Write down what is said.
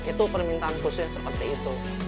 itu permintaan khususnya seperti itu